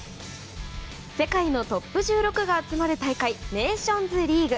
世界のトップ１６が集まる大会ネーションズリーグ。